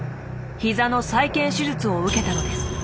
ひざの再建手術を受けたのです。